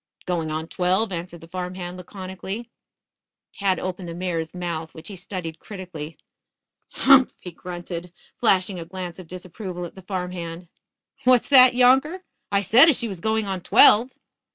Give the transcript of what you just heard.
"Going on twelve," answered the farm hand laconically. Tad opened the mare's mouth, which he studied critically. "Humph!" he grunted, flashing a glance of disapproval at the farm hand. "What's that, younker? I said as she was going on twelve."